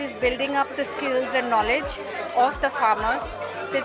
ini membina kemahiran dan pengetahuan para petani